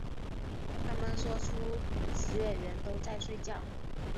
他们说出席委员都在睡觉